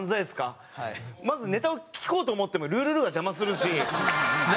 まずネタを聞こうと思っても「ルールル」が邪魔するし。